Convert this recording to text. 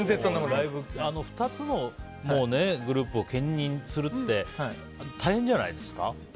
２つのグループを兼任するって大変じゃないですか？